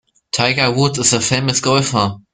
Tiger Woods is a famous golfer.